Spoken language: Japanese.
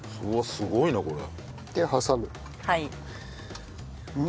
すごいよこれ。